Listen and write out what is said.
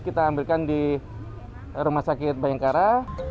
kita ambilkan di rumah sakit bayangkara